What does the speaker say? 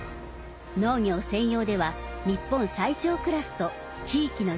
農業専用では日本最長クラスと地域の自慢です。